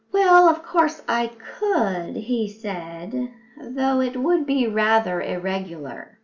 "Well, of course I could," he said, "though it would be rather irregular.